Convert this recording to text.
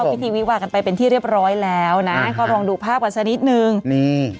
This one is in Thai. พิธีวิวากันไปเป็นที่เรียบร้อยแล้วนะก็ลองดูภาพกันสักนิดนึงนี่